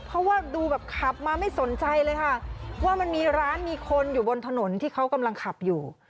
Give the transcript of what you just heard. เพราะว่าดูแบบขับมาไม่สนใจเลยค่ะว่ามันมีร้านมีคนอยู่บนถนนที่เขากำลังขับอยู่